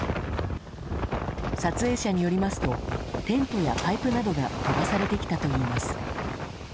撮影者によりますとテントやパイプなどが飛ばされてきたといいます。